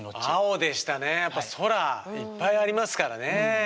青でしたねやっぱ空いっぱいありますからね。